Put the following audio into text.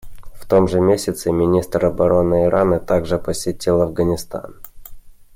В том же месяце министр обороны Ирана также посетил Афганистан.